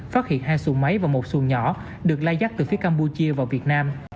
phát hiện hai xuồng máy và một xuồng nhỏ được lai dắt từ phía campuchia vào việt nam